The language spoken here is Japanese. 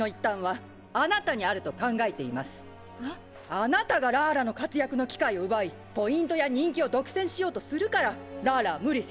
あなたがラーラの活躍の機会を奪いポイントや人気を独占しようとするからラーラは無理せざるをえなかったんです！